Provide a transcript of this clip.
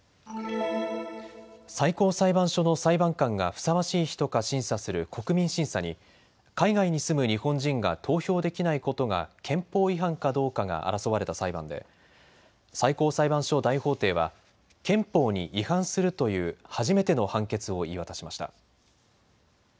最高裁判所の裁判官がふさわしい人か審査する国民審査に海外に住む日本人が投票できないことが憲法違反かどうかが争われた裁判で最高裁判所大法廷は憲法に違反するという初めての判決を言い渡しました。